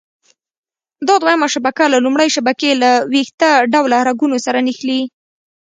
دا دویمه شبکه له لومړۍ شبکې له ویښته ډوله رګونو سره نښلي.